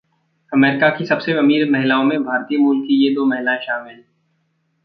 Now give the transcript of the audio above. America की सबसे अमीर महिलाओं में भारतीय मूल की ये दो महिलाएं शामिल